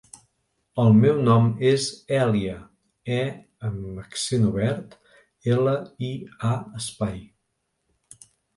El meu nom és Èlia : e amb accent obert, ela, i, a, espai.